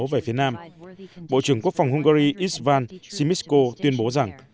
về phía nam bộ trưởng quốc phòng hungary isvan simisco tuyên bố rằng